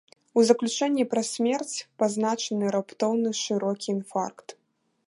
У заключэнні пра смерць пазначаны раптоўны шырокі інфаркт.